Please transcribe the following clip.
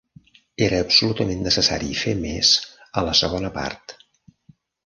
Era absolutament necessari fer més a la segona part.